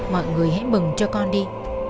mọi người hãy mừng cho con đi